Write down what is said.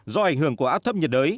do ảnh hưởng của áp thấp nhiệt đới